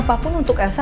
memplakukan untuk elsa